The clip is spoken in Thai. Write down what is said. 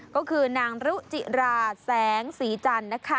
ก็คือนางรุจิราแสงสีจันทร์นะคะ